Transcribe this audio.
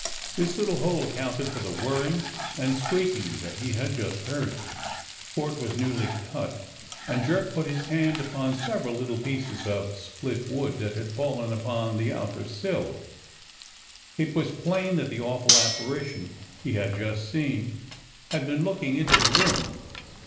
This little hole accounted for the whirring and squeak , ing that he had just heard, for it was newly cut, and Jerk put his hand upon several little pieces of split wood that had fallen upon the outer sill. It was plain that the awful apparition he had just seen had been looking into the room.